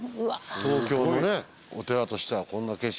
東京のお寺としてはこんな景色で。